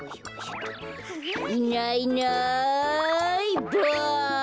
いないいないばあ！